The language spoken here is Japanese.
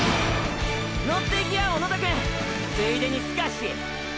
乗っていきや小野田くんついでにスカシ。